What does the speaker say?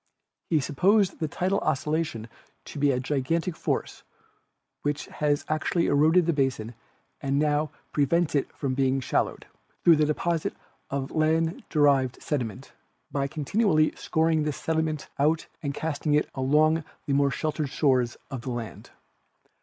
He supposed the tidal oscillation to be a gigantic force which has actually eroded the basin and now pre vents it from being shallowed, through the deposit of land derived sediment, by continually scouring this sediment out and casting it up along the more sheltered shores of the land.